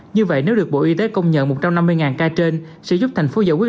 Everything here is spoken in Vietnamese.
như vậy nếu được bộ y tế công nhận một trăm năm mươi ca trên sẽ giúp thành phố giải quyết